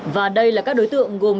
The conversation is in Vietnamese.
và đây là các đối tượng gồm